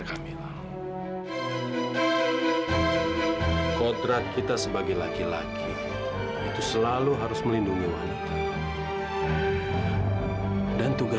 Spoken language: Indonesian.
sampai jumpa di video selanjutnya